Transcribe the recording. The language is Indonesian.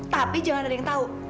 tapi jangan ada yang tahu